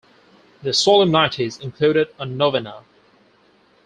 The solemnities included a novena.